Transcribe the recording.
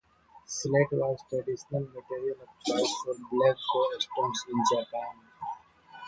Slate was traditional material of choice for black Go stones in Japan.